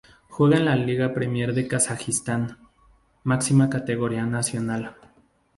Juega en la Liga Premier de Kazajistán, máxima categoría nacional.